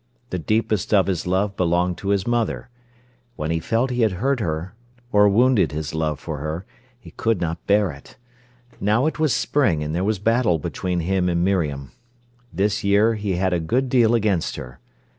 The deepest of his love belonged to his mother. When he felt he had hurt her, or wounded his love for her, he could not bear it. Now it was spring, and there was battle between him and Miriam. This year he had a good deal against her.